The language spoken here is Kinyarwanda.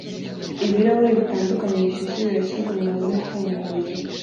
Ibirahuri bitandukanye bishyushye birashyirwa mumurima ufunguye